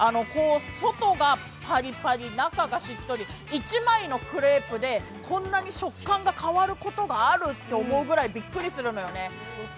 外がパリパリ、中がしっとり、１枚のクレープでこんなに食感が変わることがある？っていうぐらいびっくりするのよね。